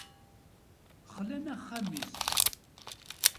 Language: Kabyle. Xlan axxam-is.